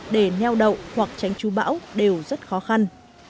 để neo đậu hoặc tránh chú bão đều rất khó khăn